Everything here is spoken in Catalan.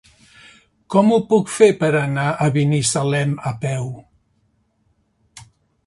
Com ho puc fer per anar a Binissalem a peu?